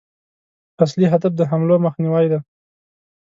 اصلي هدف د حملو مخنیوی دی.